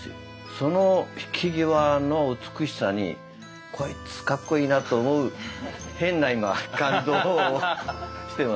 その引き際の美しさにこいつかっこいいなと思う変な今感動をしてます。